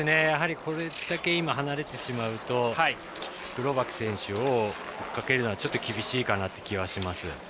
これだけ離れてしまうとグローバク選手を追いかけるのはちょっと厳しいかなという気がします。